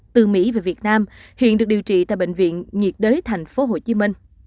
từ mỹ về việt nam hiện được điều trị tại bệnh viện nhiệt đới tp hcm